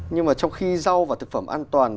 nhưng mà trong khi rau và thực phẩm an toàn